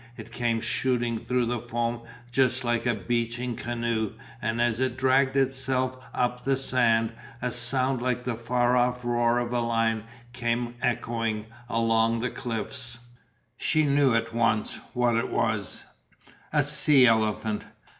It came shooting through the foam just like a beaching canoe and as it dragged itself up the sand a sound like the far off roar of a lion came echoing along the cliffs. She knew at once what it was, a sea elephant.